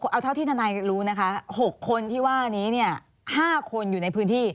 เอาเท่าที่ทนายรู้นะคะ๖คนที่ว่านี้เนี่ย๕คนอยู่ในพื้นที่